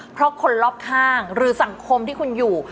เพราะคนรอบข้างหรือสังคมที่คุณอยู่